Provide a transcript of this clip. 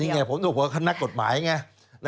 นี่ไงผมต้องพูดว่านักกฎหมายไง